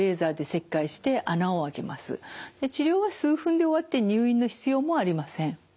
治療は数分で終わって入院の必要もありません。